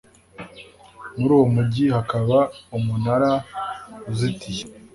muri uwo mugi hakaba umunara uzitiye